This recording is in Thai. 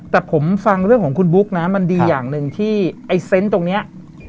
แต่ผมฟังเรื่องของคุณบุ๊กนะมันดีอย่างหนึ่งที่ไอ้เซนต์ตรงนี้